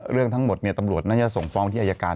เรื่องทั้งหมดตำรวจน่าจะส่งฟ้องที่อายการ